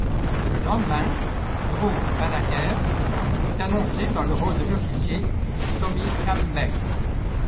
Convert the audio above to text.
Le lendemain, Drew Van Acker est annoncé dans le rôle de l'officier Tommy Campbell.